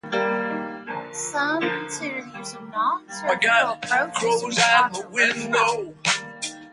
Some consider the use of non-surgical approaches to be "controversial".